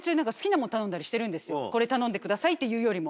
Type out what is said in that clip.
これ頼んでくださいっていうよりも。